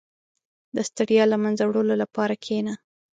• د ستړیا له منځه وړلو لپاره کښېنه.